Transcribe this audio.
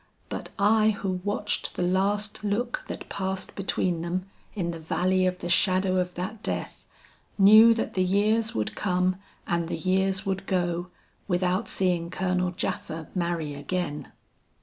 But I who watched the last look that passed between them in the valley of the shadow of that death, knew that the years would come and the years would go without seeing Colonel Japha marry again.